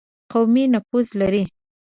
قومي نفوذ لري.